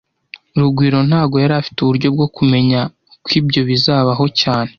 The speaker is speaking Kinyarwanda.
Rugwiro ntago yari afite uburyo bwo kumenya ko ibyo bizabaho cyane